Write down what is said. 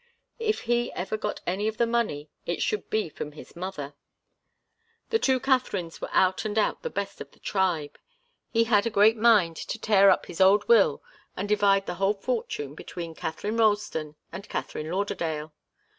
If he ever got any of the money it should be from his mother. The two Katharines were out and out the best of the tribe. He had a great mind to tear up his old will and divide the whole fortune equally between Katharine Ralston and Katharine Lauderdale.